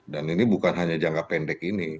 dan ini bukan hanya jangka pendek ini